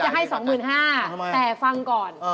ไม่ได้จะให้๒๕๐๐๐บาทแต่ฟังก่อน